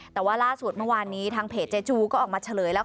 แต่ว่าล่าสุดเมื่อวานนี้ทางเพจเจจูก็ออกมาเฉลยแล้ว